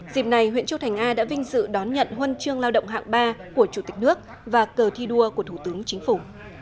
dịp này huyện châu thành a đã vinh dự đón nhận huân chương lao động hạng ba của chủ tịch nước và cờ thi đua của thủ tướng chính phủ